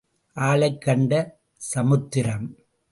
ஆளைக் கண்ட சமுத்திரம்.